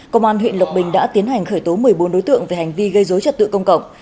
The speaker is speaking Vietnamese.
công an huyện lộc bình đã tiến hành khởi tố một mươi bốn đối tượng về hành vi gây dối trật tự công cộng